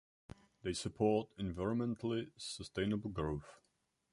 They support environmentally sustainable growth.